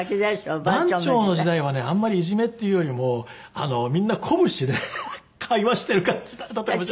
番長の時代はねあんまりいじめっていうよりもみんな拳で会話してる感じだったと思います。